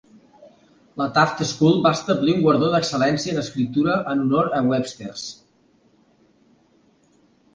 La Taft School va establir un guardó d"excel·lència en escriptura en honor a Webster's.